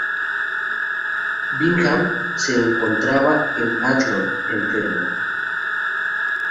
Bingham se encontraba en Athlone, enfermo.